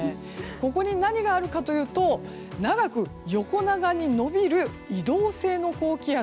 ここに何があるかというと長く横長に延びる移動性の高気圧。